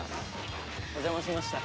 お邪魔しました。